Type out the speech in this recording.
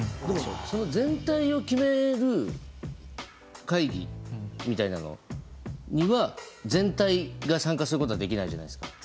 その全体を決める会議みたいなのには全体が参加することはできないじゃないですか？